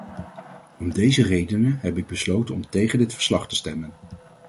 Om deze redenen heb ik besloten om tegen dit verslag te stemmen.